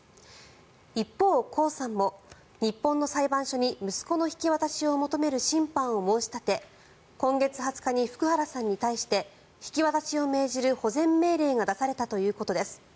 一方、コウさんも日本の裁判所に息子の引き渡しを求める審判を申し立て今月２０日に福原さんに対して引き渡しを命じる保全命令が出されたということです。